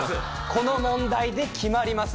この問題で決まります。